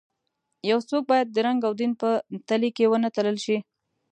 یو څوک باید د رنګ او دین په تلې کې ونه تلل شي.